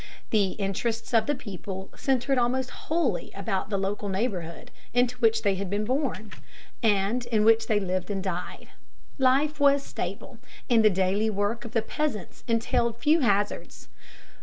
The interests of the people centered almost wholly about the local neighborhood into which they had been born, and in which they lived and died. Life was stable, and the daily work of the peasants entailed few hazards.